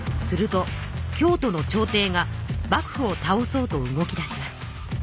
すると京都の朝廷が幕府を倒そうと動き出します。